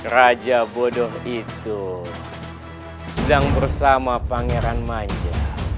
raja bodoh itu sedang bersama pangeran maja